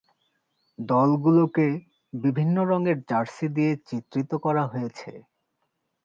দলগুলোকে বিভিন্ন রঙের জার্সি দিয়ে চিত্রিত করা হয়েছে।